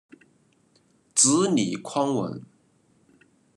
子李匡文。